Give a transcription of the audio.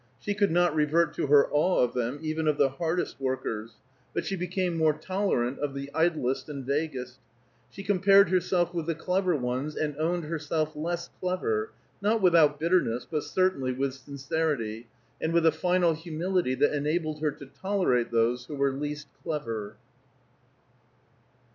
She could not revert to her awe of them, even of the hardest workers; but she became more tolerant of the idlest and vaguest. She compared herself with the clever ones, and owned herself less clever, not without bitterness, but certainly with sincerity, and with a final humility that enabled her to tolerate those who were least clever.